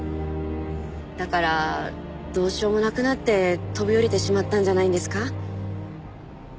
だからどうしようもなくなって飛び降りてしまったんじゃないんですか？